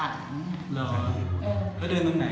เจอแล้วเป็นน้อคนนี้